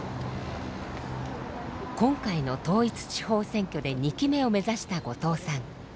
今回の統一地方選挙で２期目を目指した後藤さん。